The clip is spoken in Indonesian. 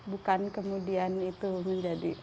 bukan kemudian itu menjadi